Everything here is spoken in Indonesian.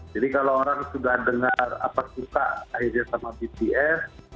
jadi kalau orang sudah dengar apa suka akhirnya sama bts